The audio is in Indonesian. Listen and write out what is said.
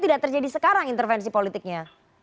tidak terjadi sekarang intervensi politiknya